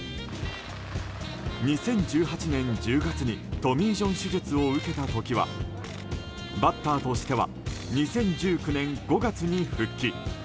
２０１８年１０月にトミー・ジョン手術を受けた時はバッターとしては２０１９年５月に復帰。